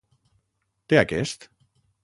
Té aquest??